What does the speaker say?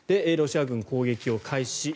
ロシア軍、攻撃を開始